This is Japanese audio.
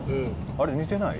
あれ似てない？